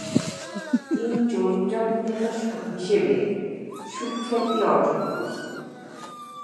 তিনি চরিত্রাভিনেতা হিসেব সুখ্যাতি অর্জন করেছিলেন।